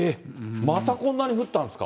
またこんなに降ったんですか？